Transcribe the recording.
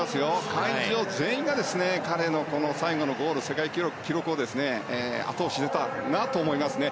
会場全員が彼の最後のゴール世界記録を後押ししていたなと思いますね。